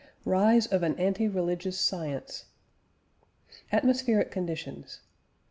CHAPTER V RISE OF AN ANTI RELIGIOUS SCIENCE ATMOSPHERIC CONDITIONS.